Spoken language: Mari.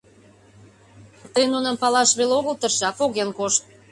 — Тый нуным палаш веле огыл тырше, а поген кошт.